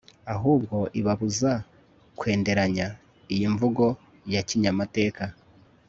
ahubwo ibabuza kwenderanya. iyi mvugo ya kinyamateka